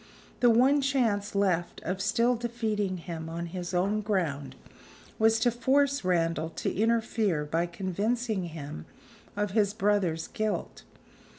The one chance left of still defeating him on his own ground was to force Randal to interfere by convincing him of his brother's guilt.